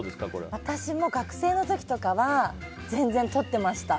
私も学生の時とかは全然とっていました。